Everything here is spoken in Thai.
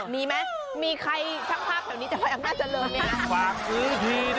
มีไหมมีใครชั่งภาพแถวนี้จะไว้อังกษาเจอร์เลยมั้ยครับ